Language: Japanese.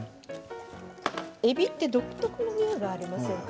えびって独特のにおいがありますよね。